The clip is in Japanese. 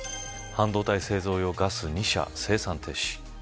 半導体製造用ガス２社生産停止